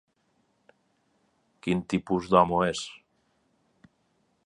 Quin tipus d'home és?